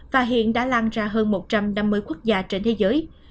và hiện đã lan ra hơn một trăm năm mươi quốc gia trên thế giới